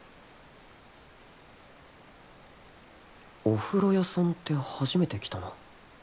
お風呂屋さんって初めて来たな